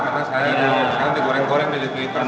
karena saya di goreng goreng di twitter